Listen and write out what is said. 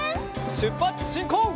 しゅっぱつしんこう！